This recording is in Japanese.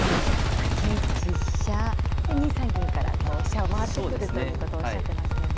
８一飛車で２三銀からこう飛車を回ってくるということをおっしゃってましたよね。